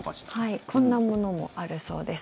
はい、こんなものもあるそうです。